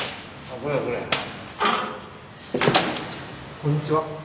こんにちは。